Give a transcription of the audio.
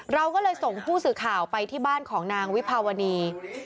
เราก็เลยส่งผู้สื่อข่าวไปที่บ้านของนางวิภาวณี